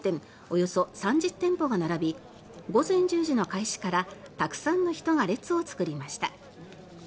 およそ３０店舗が並び午前１０時の開始からたくさんの人が列を作りました。